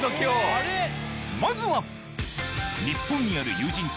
まずは！